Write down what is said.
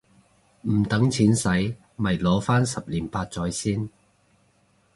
唔等錢洗咪擺返十年八載先